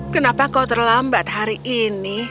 kenapa kau terlambat hari ini